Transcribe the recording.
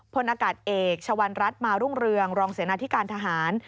พลอากาศเอกชวันรัฐมารุ่งเรืองรองเสนาธิการทหาร